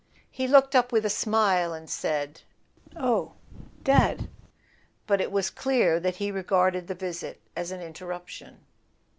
He looked up with a smile, and said: "Oh, Dad . .but it was clear that he regarded the visit as an interruption.